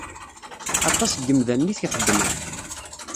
Aṭas n yimdanen i t-ixeddmen.